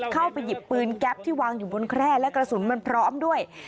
เข้าไปหยิบปืนแก๊ปที่วางอยู่บนแคร่และกระสุนมันพร้อมด้วย